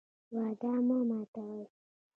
وعده مه ماتوئ